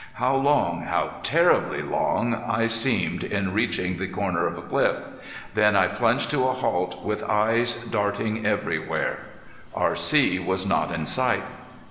How long how terribly long I seemed in reaching the corner of cliff! Then I plunged to a halt with eyes darting everywhere. R.C. was not in sight.